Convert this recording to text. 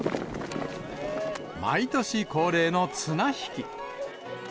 毎年恒例の綱引き。